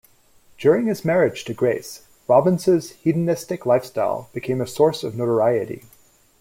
During his marriage to Grace, Robbins's hedonistic lifestyle became a source of notoriety.